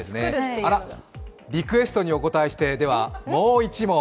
あら、リクエストにお応えしてもう一問。